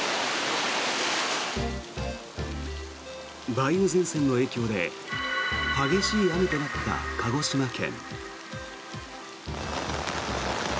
梅雨前線の影響で激しい雨となった鹿児島県。